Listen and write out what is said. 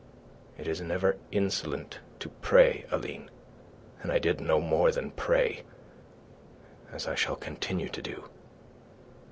"It is never insolent to pray, Aline. And I did no more than pray, as I shall continue to do.